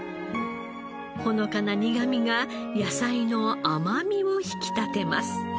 ほのかな苦みが野菜の甘みを引き立てます。